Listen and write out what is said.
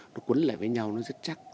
nó quấn lại với nhau rất chắc